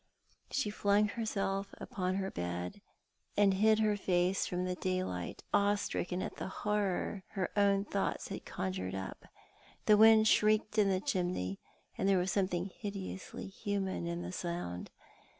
She flung herself upon her bed, and hid her face from the daylight, awe stricken at the horror her own thoughts had conjured up. The wind shrieked in the chimney, and there was something hideously human in the sound.